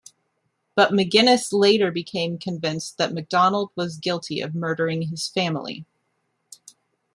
But McGinniss later became convinced that MacDonald was guilty of murdering his family.